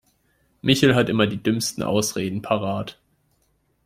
Michel hat immer die dümmsten Ausreden parat.